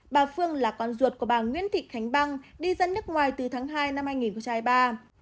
bà phương là con ruột của bà nguyễn thị khánh băng đi dân nước ngoài từ tháng hai năm hai nghìn hai mươi ba